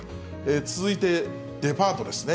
続いてデパートですね。